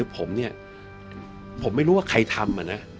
ผมเนี่ยผมไม่รู้ว่าใครทำนะ